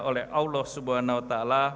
oleh allah swt